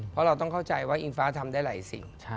เพราะเราต้องเข้าใจว่าอิงฟ้าทำได้หลายสิ่ง